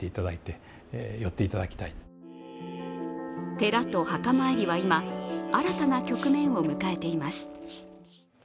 寺と墓参りは今、新たな局面を迎えています。